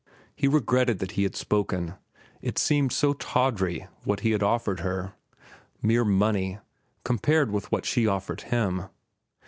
He regretted that he had spoken. It seemed so tawdry what he had offered her—mere money—compared with what she offered him.